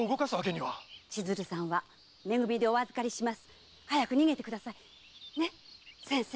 千鶴さんはめ組でお預かりします早く逃げてください先生。